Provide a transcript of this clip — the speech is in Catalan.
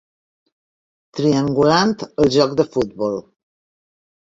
Triangulant el joc de futbol.